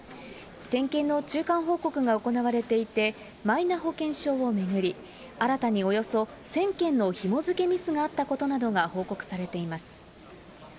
点検の中間報告が行われていて、マイナ保険証を巡り、新たにおよそ１０００件のひも付けミスがあったことなどが報告されています。